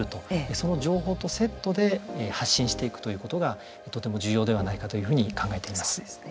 その情報とセットで発信していくということがとても重要ではないかというふうに考えています。